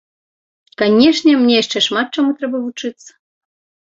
Канешне, мне яшчэ шмат чаму трэба вучыцца.